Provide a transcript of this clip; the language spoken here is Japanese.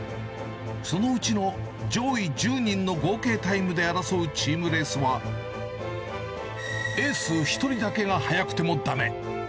そのうちの上位１０人の合計タイムで争うチームレースは、エース１人だけが速くてもだめ。